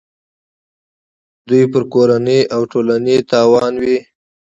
دوی پر کورنۍ او ټولنې تاوان وي.